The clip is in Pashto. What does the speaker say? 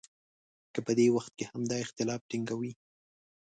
که په دې وخت کې هم دا اختلاف ټینګوي.